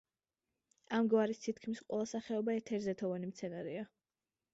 ამ გვარის თითქმის ყველა სახეობა ეთერზეთოვანი მცენარეა.